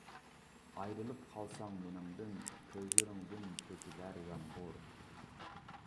ئايرىلىپ قالساڭ مېنىڭدىن، كۆزلىرىڭدىن تۆكۈلەر يامغۇر.